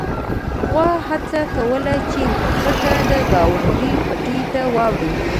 غوا هڅه کوله چې په پټه د ګاونډي پټي ته واوړي.